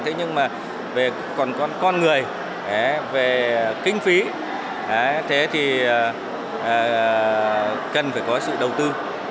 thế nhưng mà còn con người về kinh phí thế thì cần phải có sự đầu tư